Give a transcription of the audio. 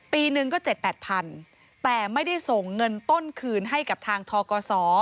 ปีหนึ่งก็๗๘๐๐๐แต่ไม่ได้ส่งเงินต้นคืนให้กับทางทกศ